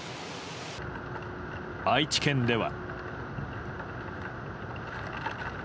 愛知県では。